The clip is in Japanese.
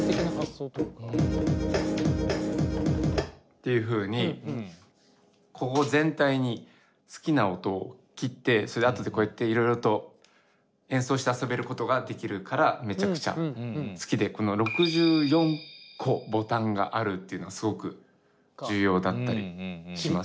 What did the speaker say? っていうふうにここ全体に好きな音を切ってそれであとでこうやっていろいろと演奏して遊べることができるからめちゃくちゃ好きでこの６４個ボタンがあるっていうのがすごく重要だったりします。